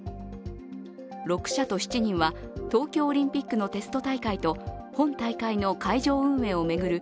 ６社と７人は東京オリンピックのテスト大会と本大会の会場運営を巡る